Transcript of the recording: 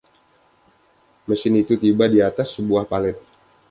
Mesin itu tiba di atas sebuah palet.